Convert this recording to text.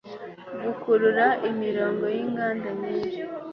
Gukurura imirongo yinganda nyinshi